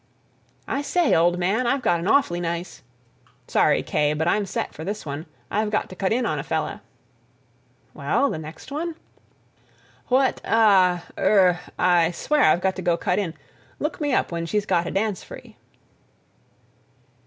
"I say, old man, I've got an awfully nice—" "Sorry, Kaye, but I'm set for this one. I've got to cut in on a fella." "Well, the next one?" "What—ah—er—I swear I've got to go cut in—look me up when she's got a dance free."